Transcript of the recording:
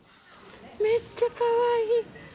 めっちゃかわいい。